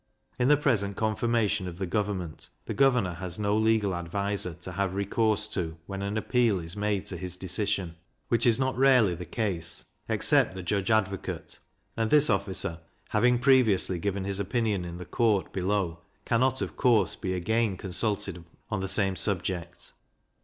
In the present conformation of the government, the governor has no legal adviser to have recourse to when an appeal is made to his decision, which is not rarely the case, except the judge advocate, and this officer having previously given his opinion in the court below cannot, of course, be again consulted on the same subject.